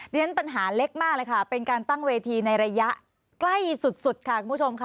เรียนปัญหาเล็กมากเลยค่ะเป็นการตั้งเวทีในระยะใกล้สุดค่ะคุณผู้ชมค่ะ